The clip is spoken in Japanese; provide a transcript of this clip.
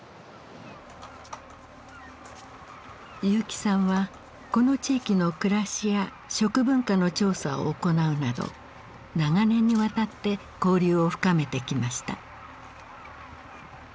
結城さんはこの地域の暮らしや食文化の調査を行うなど長年にわたって交流を深めてきました。